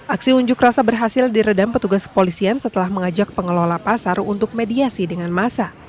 aksi unjuk rasa berhasil diredam petugas kepolisian setelah mengajak pengelola pasar untuk mediasi dengan masa